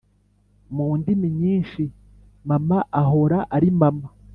Mundimi nyinshi mama ahora ari mama